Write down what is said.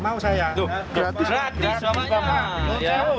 suruh berat nggak mau saya